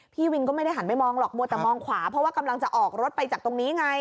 พี่วินก็ไม่ได้หันไปมองหรอกมัวแต่มองขวาเพราะว่ากำลังจะออกรถไปจากตรงนี้ไง